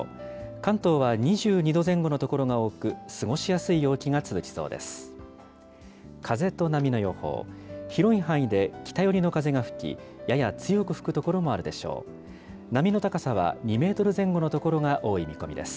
関東は２２度前後の所が多く、過ごしやすい陽気が続きそうです。